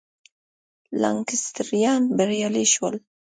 لانکسټریان بریالي شول.